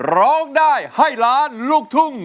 ร้องได้ให้ล้านลูกทุ่ง